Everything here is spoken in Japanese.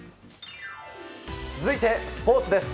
続いて、スポーツです。